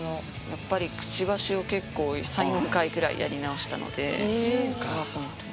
やっぱりくちばしを結構３４回くらいやり直したのでそこがポイント。